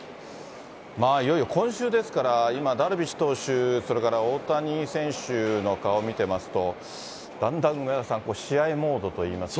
いよいよ今週ですから、今、ダルビッシュ投手、それから大谷選手の顔見てますと、だんだん梅沢さん、試合モードといいますか。